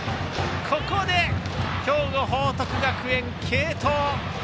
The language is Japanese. ここで兵庫・報徳学園、継投。